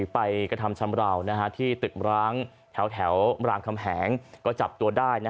ไปกระทำชำราวที่ตึกร้างแถวรามคำแหงก็จับตัวได้